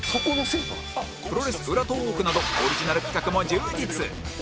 プロレス裏トーークなどオリジナル企画も充実